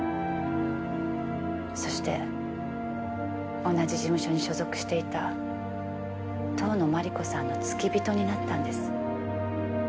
そして同じ事務所に所属していた遠野麻理子さんの付き人になったんです。